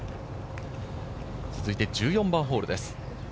続いて１４番ホールです。